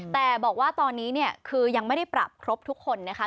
แต่บอกว่าตอนนี้เนี่ยคือยังไม่ได้ปรับครบทุกคนนะคะ